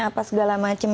apa segala macam